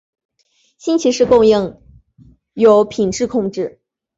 新奇士供应有品质控制。